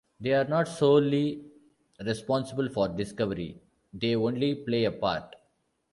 They are not solely "responsible" for discovery, they only play a part.